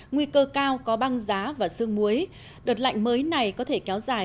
nguy cơ cao có băng giá và sương muối đợt lạnh mới này có thể kéo dài gần một mươi ngày